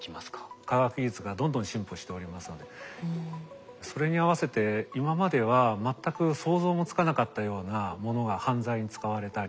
科学技術がどんどん進歩しておりますのでそれに合わせて今までは全く想像もつかなかったようなものが犯罪に使われたり